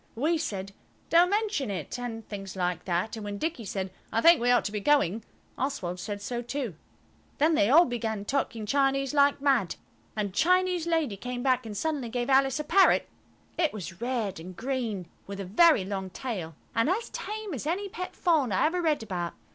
We said, "Don't mention it," and things like that; and when Dicky said, "I think we ought to be going," Oswald said so too. Then they all began talking Chinese like mad, and Chinese lady came back and suddenly gave Alice a parrot. It was red and green, with a very long tail, and as tame as any pet fawn I ever read about.